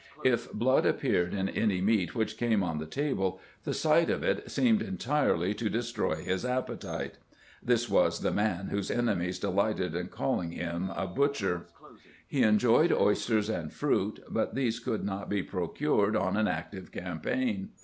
If blood appeared in any meat which came on the table, the sight of it seemed en tirely to destroy his appetite. (This was the man 214 CAMPAIGNING WITH GBANT whose enemies delighted in calling him a butcher.) He enjoyed oysters and fruit, but these could not be procured on an active campaign.